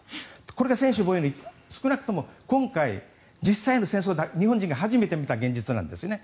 これが専守防衛の少なくとも今回、実際の戦闘の日本人が初めて見た現実なんですよね。